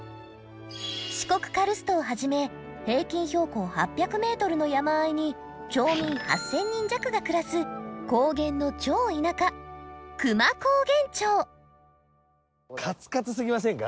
四国カルストをはじめ平均標高８００ｍの山あいに町民８，０００人弱が暮らす高原の超田舎久万高原町カツカツすぎませんか？